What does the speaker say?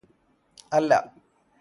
അല്ല